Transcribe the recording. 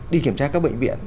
đi kiểm tra các bệnh viện